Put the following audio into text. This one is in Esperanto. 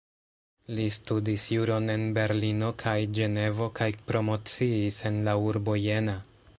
Li studis juron en Berlino kaj Ĝenevo kaj promociis en la urbo Jena.